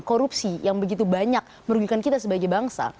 korupsi yang begitu banyak merugikan kita sebagai bangsa